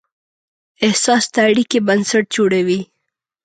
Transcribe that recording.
احساس د اړیکې بنسټ جوړوي.